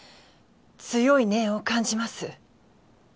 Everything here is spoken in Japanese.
強い念を感じます。